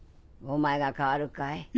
お前が代わるかい？